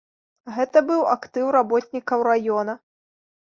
Гэта быў актыў работнікаў раёна.